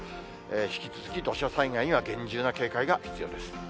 引き続き土砂災害には厳重な警戒が必要です。